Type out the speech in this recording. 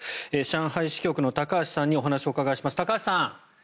上海支局の高橋さんにお話をお伺いします。